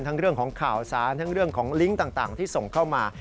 เรื่องของข่าวสารทั้งเรื่องของลิงก์ต่างที่ส่งเข้ามา